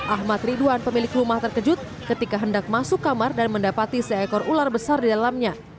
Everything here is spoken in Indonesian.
ahmad ridwan pemilik rumah terkejut ketika hendak masuk kamar dan mendapati seekor ular besar di dalamnya